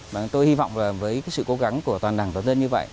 và tôi hy vọng là với sự cố gắng của toàn đảng toàn dân như vậy